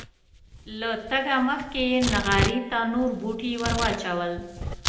له تګه مخکې یې نغري ته نور بوټي ور واچول.